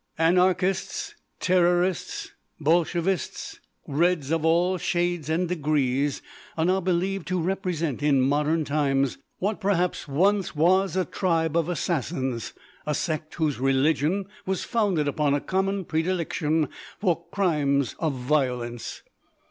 _ "_Anarchists, terrorists, Bolshevists, Reds of all shades and degrees, are now believed to represent in modern times what perhaps once was a tribe of Assassins—a sect whose religion was founded upon a common predilection for crimes of violence.